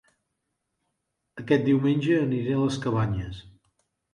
Aquest diumenge aniré a Les Cabanyes